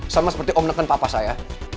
sama seperti om neken papa saya